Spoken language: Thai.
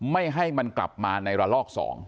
ไม่ให้มันกลับมาในระลอก๒